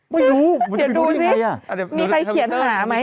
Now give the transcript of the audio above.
ไม่รู้เขียนดูสิมีใครเขียนหาไหม